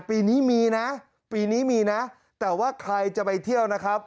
ปีนี้มีนะปีนี้มีนะแต่ว่าใครจะไปเที่ยวนะครับ